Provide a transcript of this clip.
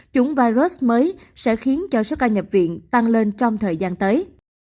chủng virus mới sẽ khiến cho số ca nhập viện tăng lên trong thời gian tới